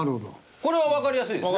これはわかりやすいですね。